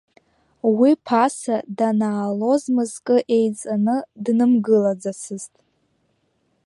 Уи ԥаса данаалоз мызкы еиҵаны днымгылаӡацызт.